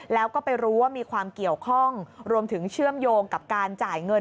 แล้วก็ไปรู้ว่ามีความเกี่ยวข้องรวมถึงเชื่อมโยงกับการจ่ายเงิน